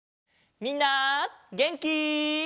みんなげんき？